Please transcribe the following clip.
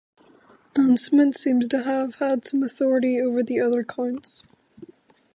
Ansemund seems to have had some authority over the other counts.